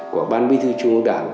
của ban bí thư trung quốc đảng